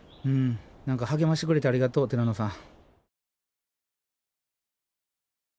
何か励ましてくれてありがとうティラノさん。